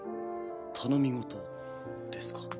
頼み事ですか。